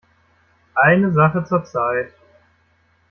Eine Sache zur Zeit.